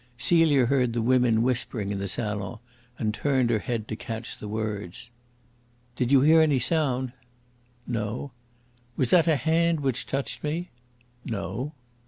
Celia heard the women whispering in the salon, and turned her head to catch the words. "Do you hear any sound?" "No." "Was that a hand which touched me?" "No."